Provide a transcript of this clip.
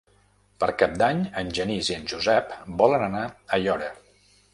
Per Cap d'Any en Genís i en Josep volen anar a Aiora.